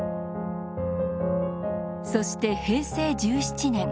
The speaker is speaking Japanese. そして平成１７年。